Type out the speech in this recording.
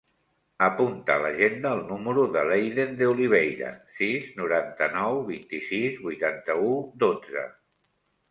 Apunta a l'agenda el número de l'Eiden De Oliveira: sis, noranta-nou, vint-i-sis, vuitanta-u, dotze.